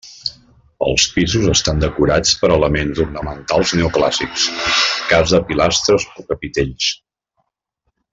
Els pisos estan decorats per elements ornamentals neoclàssics, cas de pilastres o capitells.